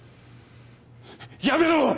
やめろ！